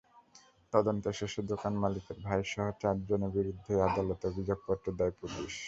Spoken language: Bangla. তদন্ত শেষে দোকান মালিকের ভাইসহ চারজনের বিরুদ্ধে আদালতে অভিযোগপত্র দেয় পুলিশ।